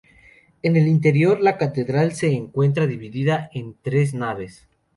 En el interior, la catedral se encuentra dividida en tres naves.